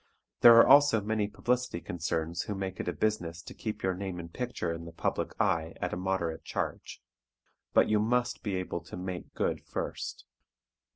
There are also many publicity concerns who make it a business to keep your name and picture in the public eye at a moderate charge. But you must be able to make good first.